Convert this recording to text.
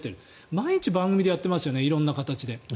毎日番組でやってますよね色んな形で。